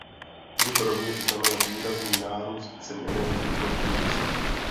Bude to rovněž znamenat výrazný nárůst cen energií pro průmysl.